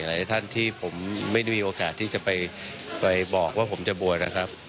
หลายท่านที่ผมไม่ได้มีโอกาสที่จะไปบอกว่าผมจะบวชนะครับ